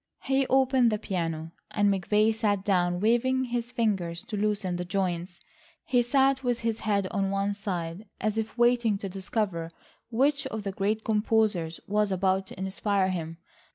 He opened the piano, and McVay sat down waving his fingers to loosen the joints. He sat with his head on one side, as if waiting to discover which of the great composers was about to inspire him.